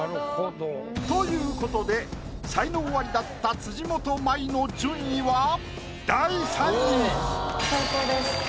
ということで才能アリだった辻元舞の順位は第３位。